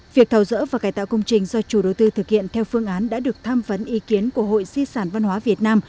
việc thảo dỡ và cải tạo công trình do chủ đối tư thực hiện theo phương án đã được tham vấn ý kiến của hội di sản văn hóa việt nam